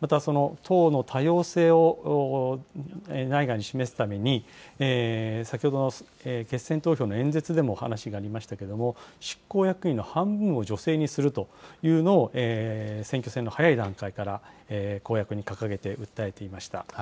またその党の多様性を内外に示すために、先ほどの決選投票の演説でも話がありましたけれども、執行役員の半分を女性にするというのを、選挙戦の早い段階から公約に掲げて訴えていました。